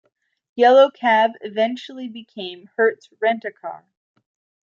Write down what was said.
Yellow Cab eventually became Hertz Rent A Car.